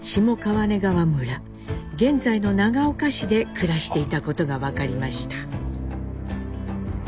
現在の長岡市で暮らしていたことが分かりました。